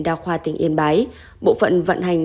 đa khoa tỉnh yên bái bộ phận vận hành